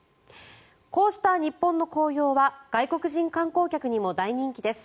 こうした日本の紅葉は外国人観光客にも大人気です。